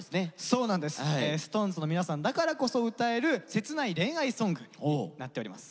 そうなんです。ＳｉｘＴＯＮＥＳの皆さんだからこそ歌える切ない恋愛ソングになっております。